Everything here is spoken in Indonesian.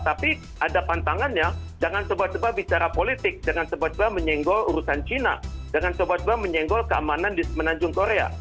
tapi ada pantangannya dengan sebuah sebuah bicara politik dengan sebuah sebuah menyenggol urusan cina dengan sebuah sebuah menyenggol keamanan di menanjung korea